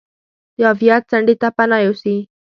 د عافیت څنډې ته پناه یوسي.